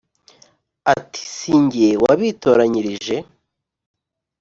ati si jye wabitoranyirije